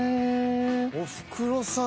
「おふくろさん」